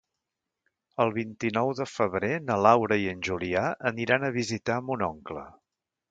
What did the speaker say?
El vint-i-nou de febrer na Laura i en Julià aniran a visitar mon oncle.